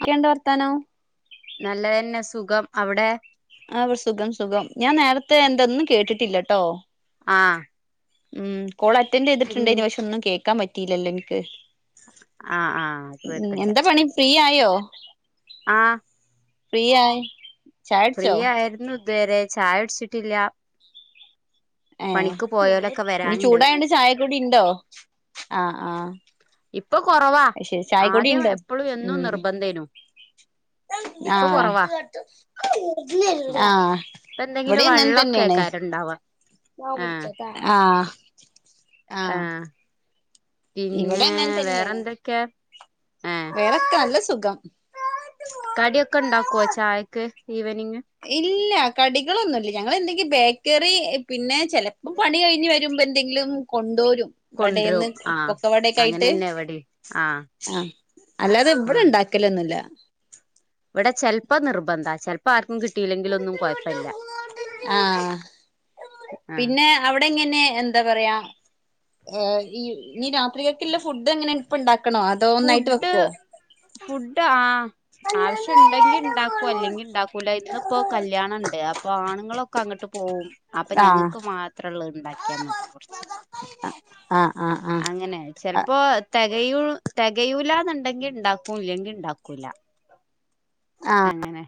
അതെന്ത് വർത്താനം നല്ലതന്നെ സുഖം അവിടെ ആ സുഖംസുഖം ഞാൻ നേരത്തെ എന്തൊന്നും കേട്ടിട്ടില്ലട്ടോ ആഹ് മ്മ് കോൾ അറ്റൻഡ് പിൻ ചെയ്തിട്ടുണ്ടേനി പക്ഷേയൊന്നും കേൾക്കാൻ പാ പറ്റിയിലല്ല എനക്ക് ആ ആ അത് കൊഴപ്പില്ല പണി ഫ്രീ [inaudible] ആ ഫ്രീയായി ഫ്രീയായിരുന്നു ഇതുവരെ ചായടിച്ചിട്ടില്ല ഏ ഇനി വരാണ്ട് ചൂടായണ്ട് ചായക്കുടിയിണ്ടോ ആ ആ ഇപ്പൊ കൊറവാ അയശേ ആദ്യം ചായക്കുടിയിണ്ടോ എപ്പളും എന്നും മ്മ് നിർബന്ധേനു ആ ഇപ്പൊ കൊറവാ ആ ഇപ്പ എന്തെങ്കിലും ഇവിടെയങ്ങനെത്തന്നെയാണ് വള്ളൊക്കെക്കാരം ഇണ്ടാവാ ആ ആ ഇവിടെ പിന്നെ വേറെന്തക്കെയാ വേറക്കെ നല്ല സുഖം കടിയൊക്കെണ്ടാക്കുവോ ചായക്ക് ഈവനിംഗ് ഇല്ല കടികളൊന്നുല്ല ഞങ്ങള് എന്തെങ്കി ബേക്കറി പിന്നെ ചെലപ്പം പണി കഴിഞ്ഞ് വരുമ്പോയെന്തെങ്കിലും കൊണ്ടുരും കൊണ്ടരും കടയിന്ന് ആഹ് പൊക്കവടൊക്കയിട്ട് അങ്ങനെന്നെ ഇവടിം ആഹ് ആ അല്ലാതെവിടെ ആഹ് ഉണ്ടാക്കലൊന്നുല്ല [unintelligible] ഇവിടെ ചെലപ്പ നിർബന്ധ ചെലപ്പ ആർ [unintelligible] കിട്ടിയില്ലെങ്കിലൊന്നും കൊഴപ്പില്ല ആഹ് ആ നേ എന്താ പറയാ ഈ രാത്രിയികൾക്കില്ല ഫുഡെങ്ങനെ ഇപ്പിണ്ടാ വെക്കണോ അതോ ഒന്നായിട്ട് ഫുഡ് വെക്കുവോ ഫുഡ് ആ ആവശ്യം ഉണ്ടെങ്കി ഉണ്ടാക്കൂ അല്ലെങ്കിൽ ഉണ്ടാക്കൂല ഇന്നിപ്പോ കല്യാണ ഉണ്ട് അപ്പൊ ആണുങ്ങളൊക്കെ അങ്ങോട്ട് പോവും അപ്പൊ ആഹ് ഞങ്ങൾക്ക് മാത്രേള്ളൂ ഉണ്ടാക്കിയാ മതി കുറച്ച് ആഹ് ആഹ് ആഹ് അങ്ങനെ ചെിലപ്പോ കയ [unintelligible] തികയൂല എന്നുണ്ടെങ്കിൽ ഉണ്ടാക്കൂല്ലെങ്കി ഉണ്ടാക്കൂല ആഹ് അങ്ങനെ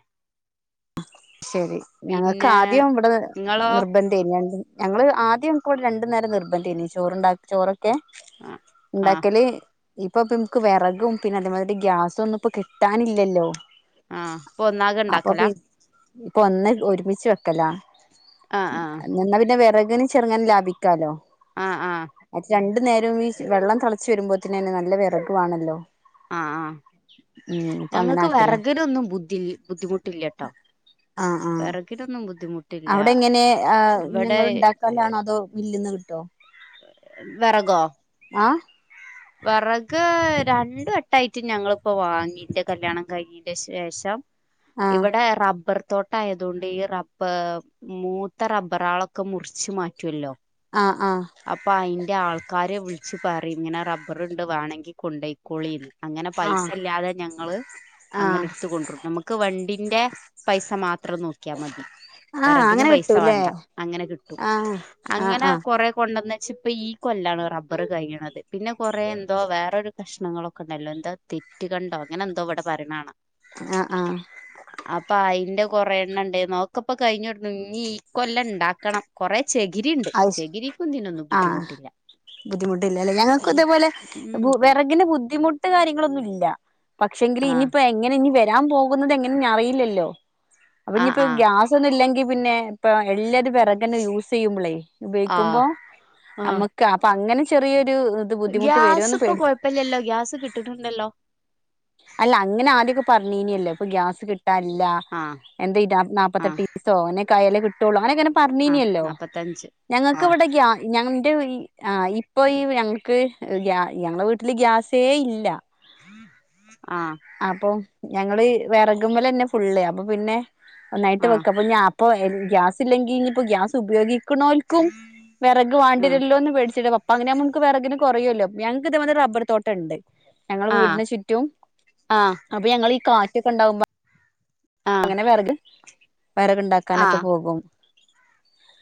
ശരി ഞങ്ങൾക്ക് പിന്നെ ആദ്യം ഇവിടെ നിങ്ങളോ നിർബന്ധം ന ഞങ്ങള് ആദ്യം നമക്കവിടെ രണ്ട് നേരം നിർബന്ധേനി ചോറുണ്ടാക്ക ചോറ് ങെ ആഹ് ആഹ് ഉണ്ടാക്കല് ഇപ്പൊ നമുക്ക് വിറകും പിന്നെ അതേമാതിരി ഗ്യാസും ഒന്നും ഇപ്പൊ കിട്ടാനില്ലല്ലോ ആഹ് അപ്പ ഒന്നാകെ അപ്പൊ ഉണ്ടാക്കല പി ഇപ്പൊ ഒന്ന് ഒരുമിച്ച് വെ കല ആഹ് ആഹ് പിന്നെ വേറെ അങ്ങനെ ചെറുങ്ങാൻ ലാഭിക്കാലോ ആഹ് ആഹ് അത് രണ്ട് നേരം ഈ വെള്ളം തിളച്ച് വരുമ്പോത്തന്നെന്ന നല്ല വിറകുവാണല്ലോ ആ ആ അങ്ങനെ ഞങ്ങൾക്ക് ആക്കലാ വിറകലൊന്നും ബുദ്ധി ബുദ്ധിമുട്ടില്ല കേട്ടോ ആഹ് ആഹ് ബുദ്ധിമുട്ടില്ല അവിടെ എങ്ങനെ ആ ഇവിടെ നിങ്ങൾ ഉണ്ടാക്കലാണോ അതോ മില്ലിന്ന് കിട്ടോ വിറകോ ആഹ് വിറക് രണ്ടും എട്ടായിട്ടും ഞങ്ങിപ്പോ വാങ്ങിക് കല്യാണം കഴിഞ്ഞിന്റെ ശേഷം ആഹ് ഇവിടെ റബ്ബർ തോട്ടായതുകൊണ്ട് ഈ റബ്ബ മൂത്ത റബ്ബറാളൊക്കെ മുറിച്ചു മാറ്റുമല്ലോ ആഹ് ആഹ് അപ്പൊ അയിന്റെ ആൾക്കാരെ വിളിച്ചു പറെം ഇങ്ങനെറബ ബറുണ്ട് വേണങ്കി കൊണ്ടയ്ക്കോളീന്ന് അങ്ങനെ പൈസ ആഹ് ഇല്ലാതെ ഞങ്ങള് അങ്ങനെ ആഹ് എടുത്ത കൊണ്ടും നമുക്ക് വണ്ടിന്റെ പൈസ മാത്രം നോക്കിയാ മതി ആഹ് വിറകിന് അങ്ങനെ പൈസ കിട്ടൂല്ലേ വേണ്ട അങ്ങനെ കിട്ടും ആഹ് ആഹ് അങ്ങനെ ആഹ് കൊറെ കൊണ്ടുന്ന് ഇപ്പ ഈ കൊല്ലാണ് റബ്ബർ കഴിയണത് പിന്നെ കുറേ എന്തോ വേറൊരു കഷ്ണങ്ങളൊക്കെ ഉണ്ടല്ലോ എന്തോ തെറ്റ്കണ്ടോ അങ്ങനെ എന്തോ ഇവിടെ പറയ്ണ കണാം ആഹ് ആഹ് അപ്പൊ അയിന്റെ കൊറെ എണ്ണണ്ട് നോക്കപ്പോ കഴിഞ്ഞോള്ളു ഇനി ഈ കൊല്ലം ഇണ്ടാക്കണം കൊറെ ചെകിരിണ്ട് അത് ശ ചെകിരിക്കൊന്നിനും ബുദ്ധിമുട്ടില്ല ഉം അതേപോലെ വിറകിന് ബുദ്ധിമുട്ട് കാര്യങ്ങളൊ ളില്ല പക്ഷെങ്കിലും ആഹ് ഇനിയിപ്പ എങ്ങനെ ഇനി വ ഞാൻ പോകുന്നത് എങ്ങനെ അറിയില്ലല്ലോ. അപ്പൊ ആഹ് ഇനിയിപ്പോ ആഹ് ഗ്യാസ് ഒന്നും ഇല്ലെങ്കി. പിന്നെ ഇപ്പൊ എല്ലാ വിറകെൻ യൂസ്യ്യുമ്പളേ ഉപയ്ക്കുമ്പോ ആഹ് ആഹ് അമ്മക് അ പ അങ്ങനെ ചെറിയെ ഗ്യാസ് ഇപ്പൊ കൊഴപ്പല്ലല്ലോ ഗ്യാസ് കിട്ടിട്ടുണ്ടല്ലോ അല്ല അങ്ങനെ ആദ്യൊക്കെ പറഞ്ഞീനല്ലോപ്പൊ ഗ്യാസ് കി അ ല്ല ആഹ് എന്തേയ്‌ [inaudible] ആഹ് നാല്പ്പത്തെട്ട് ഈസോെ കയല കിട്ടൊള്ള അങ്ങനെങ്ങനെ ആഹ് പറഞ്ഞീനല്ലോ നാപ്പത്തഞ്ച് ഞങ്ങക്ക് ആഹ് ഇവിഡെഖ്യ ന [unintelligible] ആ ഇപ്പൊ ഈ ഞങ്ങക്ക് ഗ്യ ഞങ്ങളെ വീട്ടില് ഗ്യാസേ ഇല്ല ആഹ് അപ്പൊ ഞങ്ങള് വെറകുമലെന്നെ ഫുള് അപ്പൊ പിന്നെ ഒന്നായിട്ട് ആഹ് വെക്കപ്പോ ഞ ഇപ്പൊ [unintelligible] ഗ്യാസ് ഇല്ലെങ്കി ഇഞ് ഇപ്പോ ഗ്യാസ് ഉപയോഗി ക്ക്ണോൽക്കും വെറക് വാണ്ടി ആഹ് യേരൊല്ലോന്ന് പേടിച്ചിട്ട പപ്പ അങ്ങന മുക്ക് വെറകിന് കൊറയോലോ ഞങ്ങക്ക് ഇത് പോലെ റബ്ബർ തോട്ടണ്ട് ഞങ്ങള് വീട് ന് ചുറ്റും ആഹ് ങ്ങളീ കാറ്റൊക്കെണ്ടാവുമ്പ ആഹ് അങ്ങനെ വെറക് വെറക് ഇണ്ടാക്കാനൊക്കെ ആഹ് പോകും.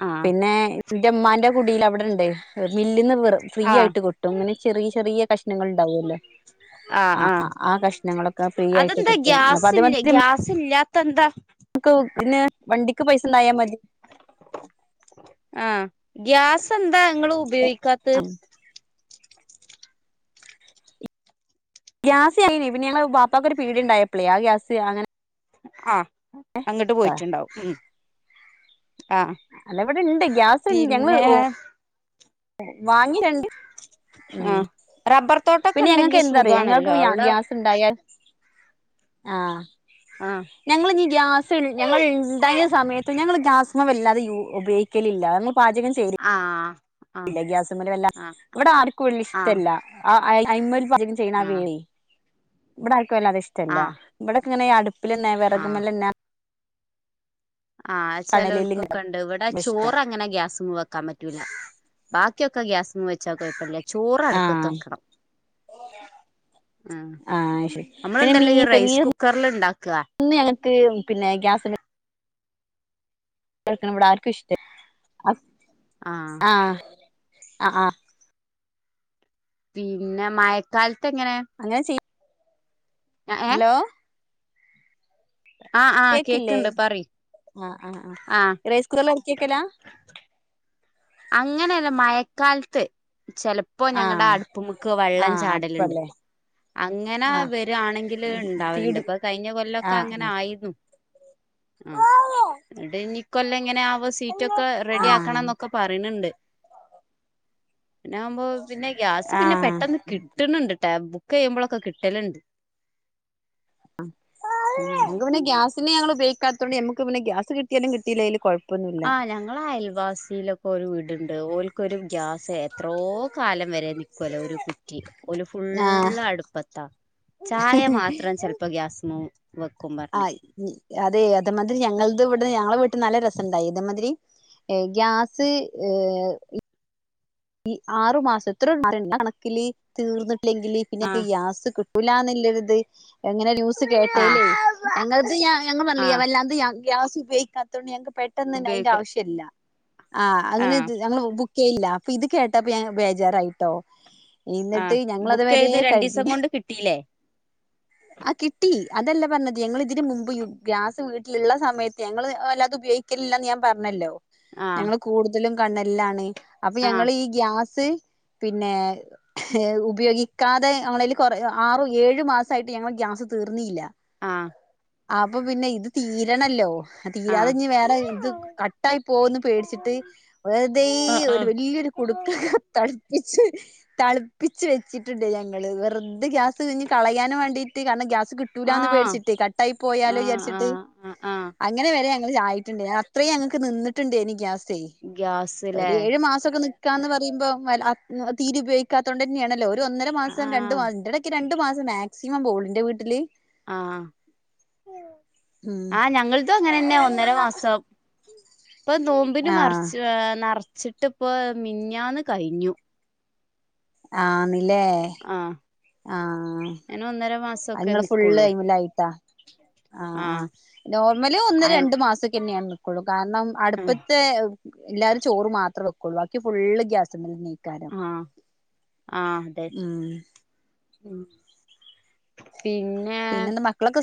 ആഹ് പിന്നേ ഇന്റെമ്മാന്റെ കുടീലവടണ്ടേ മില്ല്ന്ന് വെർ ഫ്രീ ആഹ് ആയി് കൊട്ടും ഇങ്ങനെ ചെറിയ ചെറിയ ണങ്ങൾ ഇണ്ടാവോല്ലോ ആഹ് ആ കഷ്ണങ്ങളൊക്കെ ഫ്രീ ആയിട്ട് കിട്ടും അപ്പ അത് [unintelligible] ത്തെന്താ [unintelligible] പിന്നേ വണ്ടിക്ക് പൈസണ്ടായാമതി ആഹ് ഗ്യാസ് എ ന്താ ഇങ്ങളുപയോയ്ക്കാത്ത് ഗ്യാസ് [unintelligible] പിന്നെ ഞങ്ങള് ബാപ്പാക്കൊര്പ്പീടിക ഇണ്ടായപ്ലെ ആ ഗ്യാസ് അങ്ങനെ അഹ് അങ്ങിട്ട് പോയിട്ടിണ്ടാവും ഉം ആഹ് അല്ല ഇവിടെ ഇണ്ട് ഗ്യാസ് ഇൻ ഞങ്ങള് പിന്നെ ഓ വാങ്ങി രണ്ട് ഉം ആഹ് റബ്ബർ തോട്ടൊക്കെ പിന്നെ ഞങ്ങക്ക് ഉണ്ടെങ്കി എന്താറിയൊ ഞങ്ങക്ക് സുഖാണല്ലോ അവിടെ ഗ്യാസിണ്ടായാല് ആ ആഹ് ഞങ്ങളിനി ഗ്യാസ് ഞങ്ങൾ ഇണ്ടായ സമയത്ത് ഞങ്ങൾ ഗ്യാസമ്മെ വല്ലാതെ യൂ ഉപയോഗിക്കലില്ല ആ ല്ല ഗ്യാസുമ്മല് വെല്ല ഇവിടെ ആർക്കും വല്ല്യ ആഹ് ഇഷ്ടല്ല ആ അയ് അയ്മുൽ പലരും ചെയ്യണ ആഹ് അവിയൽ ഇവ്ട അയ് ക്ക് വല്ലാതെ ഇഷ്ടല്ല ആഹ് [unintelligible] ക്ക് ഇങ്ങനെ അടു പ്പിലന്നെ ആഹ് വെറകുംമലെന്ന ആഹ് കണലില് ചെലോൾകൊക്ക ഇങ്ങനെ ഒണ്ട്. ഇവ്ടെ ഇഷ്ടം ചോറ് അങ്ങനെ ഗ്യാസ്മ വെക്കാൻ പറ്റൂല ബാ ക്ക് ഒക്ക ഗ്യാസ്മ വെ ച്ചാ കൊഴപ്പല്ല. ചോറ് ആഹ് അടുപ്പത്ത്ക്കണം. ആ ആഹ് ശരി പിന്നെ നമ്മള്ണ്ടല്ല ഈ മീനൊക്കെ റൈസ് മീൻ കുക്കറിൽ ഇണ്ടാക്ക്ആ ഒന്നും ഞങ്ങക്ക് പിന്നെ കെടക്കണ ഇവിട ആർക്കും ഇഷ്ട ആഹ് അ ആഹ് പിന്നെ മയക്കാൽ ത് ങ്ങനെ അങ്ങനെ ചെയ്യ ഹലോ ആഹ് ആഹ് കേക്കില്ലേ കേക്കണ്ട് പറയ് ആഹ് ആഹ് ആ എറൈസ് കുറല്ലേ കേക്കലാ അങ്ങനെയല്ല മയക്കാലത്ത് ചെലപ്പോ ഞങ്ങള്ട ആഹ് അടുപ്പുമ്ക്ക് വെള്ളം ആഹ് ചാടല്ണ്ട്. അപ്പല്ലേ അങ്ങന ആഹ് വരു ആണങ്കില് ഇണ്ടാവലുണ്ട്. തീടി ഇപ്പൊ കഴിഞ്ഞ കൊല്ലൊക്ക അങ്ങനെ ആഹ് ആയിരുന്നു. മ്മ് എന്ട്ട് ഇനി ഇകൊല്ലം ഇങ്ങനെ ആവ് പ്പൊ സീറ്റൊക്ക ആഹ് ആഹ് റെഡിയാക്കണം ന്നൊ പറയണണ്ട് [unintelligible] യാമ്പോ പിന്നെ ഗ്യാസ് പിന്നെ ആഹ് പെട്ടെന്ന് കിട്ട്ണണ്ട് ട്ടാ ബുക് ബുക്ക്‌ ചെയ്യുമ്പോളൊക്കെ കിട്ടല്ണ്ട് [unintelligible] ഉം പിന്ന ഞങ്ങള് ഉപയോഗിക്കാത്തൊണ്ടു ഞമ്മക്ക് പിന്ന ഗ്യാസ് കിട്ടിയാലും കിട്ടിയില്ലേലും കൊഴപ്പ ആഹ് ഞങ്ങള അയൽവാസിയി ഒരു വീട്ണ്ട് ഓൽക്ക് ഒരു ഗ്യാസ് എത്രോ കാലം വരെ നിക്യോലു ഒരു കുറ്റി ഓല് ആഹ് ഫുള്ള് അടുപ്പത്താ ചായ മാത്രം ചെൽപ്പോ ഗ്യാസുമ്മെ ആയി ഇനി അതെ അതമാതിരി ഞങ്ങളത് ഇവി ഞങ്ങളെ വീട്ടിൽ നല്ല രസണ്ടായി ഇതമാതിരി ഗ്യാസ് ഏഹ് ഈ ആറു മാസത്തി [unintelligible] തീർന്നി ല്ലെങ്കില് പിന്നൊക്കെ ആഹ് ഗ്യാസ് കിട് [unintelligible] എന്ന്ള്ളൊരിത് എങ്ങനെ ന്യൂസ്‌ ആഹ് കേട്ടേല് [unintelligible] [unintelligible] ആഹ് [unintelligible] ഗ്യാസ് ഉപയോഗിക്കാൻ- ത്തോണ്ട് ഞങ്ങക്ക് പെട്ടെന്ന് അതിന്റെ ഉപയോഗിക്ക ആവശ്യല്ല- ആ അങ്ങനെ ആഹ് ജ്ജ് ഞങ്ങള് ബുക്ക് - യ്യ്ല്ലാ- ഇത് കേട്ടപ്പോ ഞാൻ ബേജാറായിട്ടോ- എന്നിട്ട് ആഹ് ബുക്ക് ഞങ്ങളതുവരെ ചെയ്ത് രണ്ടീസം കരുതില്ല കൊണ്ട് കിട്ടീല്ലേ ആ കിട്ടി അതല്ല പറഞ്ഞത് ഞങ്ങൾ ഇതിന് മുമ്പ് ഗ്യാസ് വീട്ടിലുള്ള സമയത്ത് ഞങ്ങൾ അല്ലാതെ ഉപയോഗിക്കലില്ലന്ന് ഞാൻ പറഞ്ഞല്ലോ? ആഹ് ഞങ്ങൾ കൂടുതലും- കണ്ണലിലാണ്- അപ്പൊ ആഹ് ഞങ്ങള് ഈ ഗ്യാസ്- ത് പിന്നെ ഉപയോഗിക്കാതെ ഞങ്ങൾ കുറെ ആറു ഏഴു മാസമായിട്ട് ഞങ്ങൾ ഗ്യാസ് തീർന്നില്ല- ആ അപ്പൊ പിന്നെ ഇത് തീരണല്ലോ തീരാതെ ആഹ് ഇത് വേറെ ഇത് കട്ടായി പോകുമെന്ന് പേടിച്ചിട്ട് വെറുതെ- ആഹ് വലീയൊരു കൊടുക്ക ത പ്പിച്ച്, തളുപ്പിച്ച് വെച്ചിട്ടുണ്ട് ഞങ്ങള് വെറുതെ ഗ്യാ ത് ഇനികളയാന് വേണ്ടീ- [unintelligible] കിട്ടൂല എന്ന് ആഹ് പേടിച്ചിച്ച് കട്ടായി പോയാലോ ആഹ് എന്ന് ആഹ് വിചാരിച്ചിട്ട് ആഹ് ആഹ് ആഹ് അങ്ങനെ വരെ- അ ആയിട്ടുണ്ട് അത്രയും ഞങ്ങൾക്ക് നിന്നിട്ടുണ്ട് എനിക്ക് ഗ്യാസ് ഗ്യാസ് ഇല്ലേ നിക്കാ എന്ന് പറയുമ്പോ തീരെ ഉപയോഗിക്കാത്തതൊണ്ട് തന്നെയാണല്ലോ ഇത് ഒന്നര മാസം രണ്ട് ആഹ് മാസം ഇടക്ക് രണ്ടു മാസം മാക്സിമം ബോളിന്റെ വീട്ടില് ആ ഉം ആ ഞങ്ങടെതും അങ്ങനെ തന്നെ ഒന്നര മാസം ഇപ്പൊ നോമ്പിന് ആഹ് മറിച്ച് നിറ- വച്ചിട്ടിപ്പ മിഞ്ഞാന്ന് കഴിഞ്ഞു ആന്നില്ലേ ആഹ് ആ അങ്ങനെ ഒന്നര അത് മാസൊക്കെ നിങ്ങള് ഫുൾ നിക്കുള്ളൂ അയ്മലായിട്ട ആ ആ ആഹ് നോർമല് ഒന്ന് ആഹ് രണ്ടു മാസക്ക തന്നെയാണ് നിൽക്കുള്ളൂ കാരണം അടുപ്പത്തെ- എല്ലാരും ചോറ് മാത്രേ വെക്കുള്ളൂ ബാക്കി ഫുള്ള് ഗ്യാസ്മ്മന്നെര്ക്കും ആ ആ അതെ ഉം ഉം പിന്നെ എന്താ മക്കളൊക്കെ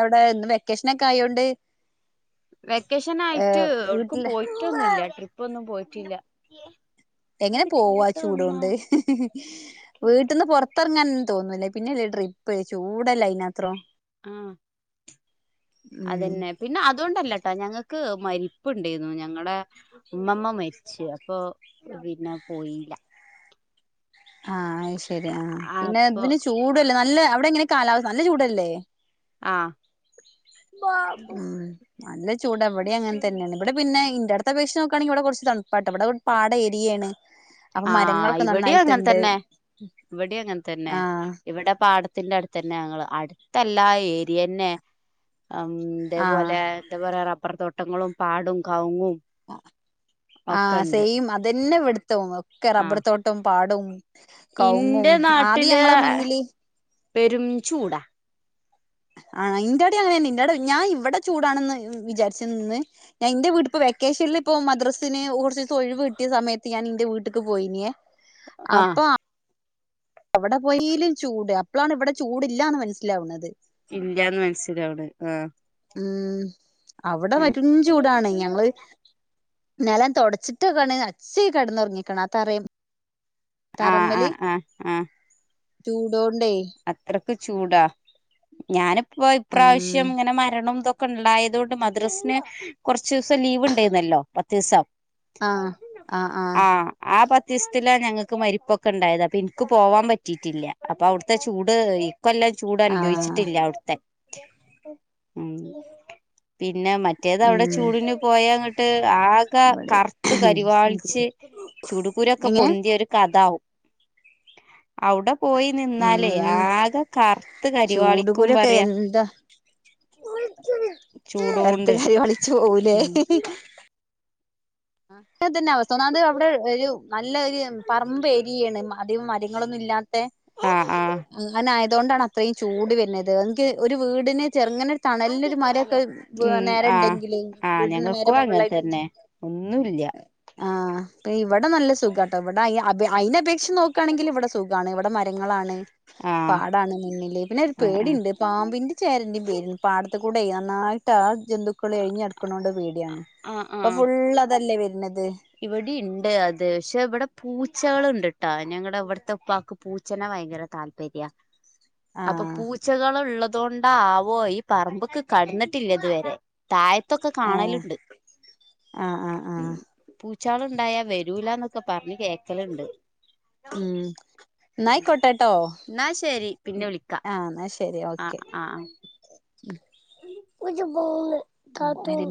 എവിടെ? ഇന്ന് വെക്കേഷനൊക്കെ ആയോണ്ട് വെക്കേഷൻ ആയിട്ട് എവിട്ക്കും വീട്ടില് പോയിട്ടൊന്നുല്ല. ട്രിപ്പ് ഒന്നും പോയിട്ട ട്ടില്ല. എങ്ങനെ പോവാ ചൂടുകൊണ്ട്? വീട്ട്ന്ന് പൊറത്തെറങ്ങാൻ തോന്നൂല. പിന്നല്ലെ ട്രിപ്പ് ചൂടല്ലേ അയ്നോത്രം. ആ ഉം അതന്നെ. പിന്നെ അതുകൊണ്ടല്ലട്ടോ ഞങ്ങ മരിപ്പ് ഇണ്ടായിരുന്നു ഞങ്ങളെ ഉമ്മമ്മ മരിച്ച് അപ്പൊ പിന്നെ പോയീല ആ അയ് ശരി ആ പിന്നെ അപ്പൊ ഇതിന് ചൂടല്ലേ നല്ല അവിടെങ്ങനെ കാലാവസ്ഥ നല്ല ചൂടല്ലേ ആഹ് ഉം നല്ല ചൂട് ഇവിടെ അങ്ങനെ തന്നെയാണ് ഇവിടെ പിന്നെ ഇന്റർ അത് വെച്ച് നോക്കാണെങ്കിൽ ഇവിടെ കുറച്ച് തണുപ്പാട്ടാ ഇവിടെ പാട ഏരിയാണ് ആ ഇവിടെ അങ്ങനെ തന്നെ ഇവിടെ അങ്ങനെ തന്നെ ആഹ് ഇവിടെ പാടത്തിന്റെ അടുത്ത് തന്നെ ഞങ്ങൾ അ അടുതല്ല ഏരിയന്നെ അം ആഹ് ഇതേപോലെ എന്താ പറ റബർ തോട്ടങ്ങളും പാടും കവുങ്ങും ആ ഒക്കെ ഉണ്ട് സെയിം അതന്നെ ഇവിടുത്തവും ഒക്കെ ആ റബർ തോട്ടം പാടും ഇന്റെ നാട്ടില് മുന്നില് പെരും ചൂടാ ആ ഇന്റോടിം അങ്ങനെന്നെ ഇന്റെടെ ഞാൻ ഇവിടെ ചൂടാണന്ന് വിചാരിച്ചു നിന്ന് ഞാൻ ഇന്റെ വീട്ടിപ്പൊ വെക്കേഷനിൽ ഇപ്പ മദ്രസിന് കുറച്ച് ഒഴിവ് കിട്ടിയ സമയത്ത് ഞാൻ ഇന്റെ വീട്ട്ക്ക് പോയിനേ ആഹ് അപ്പൊ അവിടെ പോയീലും ചൂട് അപ്പോളാണ് ഇവിടെ ചൂടില്ലാന്ന് മനസ്സിലാവുന്നത് ഇല്ല്യാന്ന് മനസ്സിലാവണ് ആഹ് ഉം അവിടെ പെരും ചൂടാണ് ഞങ്ങള് നിലം തുടച്ചിട്ട് [unintelligible] അച്ച കിടന്നുറങ്ങിക്ണ് അത്തറയും ആഹ് തറമ്മല് ആഹ് ആഹ് ആഹ് ചൂടോ അത്രക്ക് ചൂടാ ഞാന ഇ ഉം ഇപ്രാവശ്യം ഇങ്ങനെ മരണമിതെക്കെ ഉണ്ടായത് കൊണ്ട് മദ്രസിന് കുറച്ച് ദിവസം ലീവ് ഉണ്ടായിരുന്നല്ലോ പത്ത് ദിവസം ആഹ് ആഹ് പ [unintelligible] ഞങ്ങൾക്ക് മരിപ്പൊക്കെ ഉണ്ടായത് അപ്പൊ എനിക്ക് പോവാൻ പറ്റിട്ടില്ല അപ്പൊ അവിടു ചൂട് ഇത് ഇക്കെല്ലാം ചൂട് ആഹ് അനുഭവിച്ചിട്ടില്ല അവിടുത്തെ ഉം പി പിന്നെ മറ്റേത് അവിടെ ഉം ചൂടിന് പോയാട്ട് [inaudible] ആകെ ഇവിടെ കറുത്ത് കരിവാളിച്ച് ചുടുകുരൊക്കെ എങ്ങനെ പൊന്തിയ ഒരു കഥാവും അവിടെ പോയി നിന്നാൽ ഉം ആകെ കറുത്ത് കരിവാളിക്കും ചൂടുകുരൊക്കെ പറയാ. എന്താ കറുത്ത് ചൂടോണ്ട് കരുവാളിച്ച് പോവൂല്ലേ? ആ അങ്ങനെ തന്നെ അവസ്ഥ. ഒന്നാത് അവിടെ ഒരു നല്ല ഒരു പറമ്പ് ഏരിയാണ്. അധികം മരങ്ങളൊന്നും ഇല്ലാത്ത ആഹ് ആഹ് [unintelligible] അതുകൊണ്ടാണ് അത്രയും ചൂട് വരണത്. എനിക്ക് ഒരു വീടിനെ ചെറുങ്ങനെ തണലിനൊരു മരമൊക്കെ ഉം നേരെ ആഹ് ഉണ്ടെങ്കില് വീടിന്റെ നേരെ മുകളിലായിട്ടുണ്ടെങ്കി ഒന്നൂല്യ. ആഹ് ഇപ്പൊ ഇവി ഇവടെ നല്ല സുഖാട്ടോ. ഇവിടെ [unintelligible] അയിനത് വെച്ച് നോക്കുകയാണെങ്കിൽ ഇവിടെ സുഖമാണ് ഇവിടെ മരങ്ങളാണ് ആഹ് കാടാണ് മുന്നില് പിന്നെ ഒരു ആഹ് ആഹ് പേടിയുണ്ട് പാമ്പിന്റെ ചേരന്റെയും പേരുണ്ട് പാട- കൂടെ നന്നായിട്ടാ ജന്തുക്കൾ എഴഞ്ഞ് നടുക്കണ കൊണ്ട് പേടിയാണ് ആഹ് ഇപ്പൊ ആഹ് ഫുള്ള് അല്ലേ വരുന്നത് ഇവിടെ ഉണ്ട് അത് പക്ഷെ ഇവിടെ പൂച്ചകളുണ്ട് കേട്ട ഞങ്ങടെ ഇവിടത്തെ ഉപ്പാക്ക് പൂച്ചേനെ ഭയങ്കര താല്പര്യവാ അപ്പൊ ആഹ് പൂച്ചകള് ഉള്ളത് അതുകൊണ്ട് ആവോ ഈ പറമ്പ്ക്ക് കടന്നിട്ടില്ല ഇതുവരെ താഴത്തൊക്കെ ആഹ് കാണലുണ്ട് ആഹ് ആഹ് ആഹ് പൂച്ചകളുണ്ടായാ വരൂല എന്നൊക്കെ പറഞ്ഞ് കേക്കലണ്ട് ഉം എന്നാ ആയികോട്ടേട്ടോ എന്നാ ശരി പിന്നെ വിളിക്കാം എന്നാ ശ ആ ആ ആ [unintelligible]